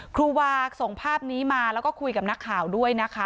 ครูวาส่งภาพนี้มาแล้วก็คุยกับนักข่าวด้วยนะคะ